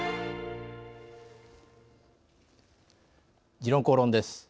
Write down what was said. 「時論公論」です。